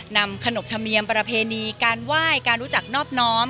นำขนบธรรมเนียมประเพณีการไหว้การรู้จักนอบน้อม